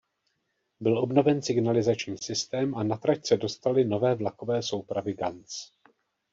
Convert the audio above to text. Byl obnoven signalizační systém a na trať se dostaly nové vlakové soupravy Ganz.